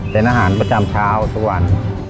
เป็นอาหารประจำเช้าทุกวัน